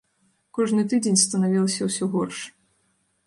Кожны тыдзень станавілася ўсё горш.